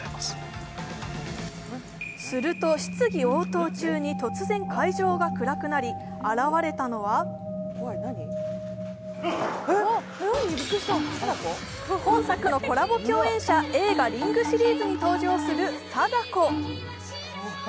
すると、質疑応答中に突然会場が暗くなり、現れたのは本作のコラボ共演者映画「リング」シリーズに登場する貞子。